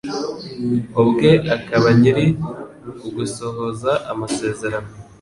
ubwe akaba Nyir ugusohoza amasezerano